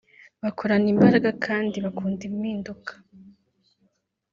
bakorana imbaraga kandi bakunda impinduka